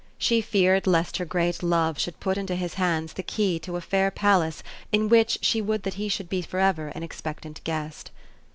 She feared lest her great love should put into his hands the key to a fair palace in which she would that he should be forever an expectant guest.